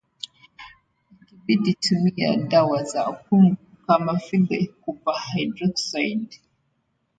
ikibidi tumia dawa za ukungu kama vile Copperhydroxide